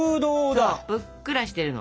そうぷっくらしてるの。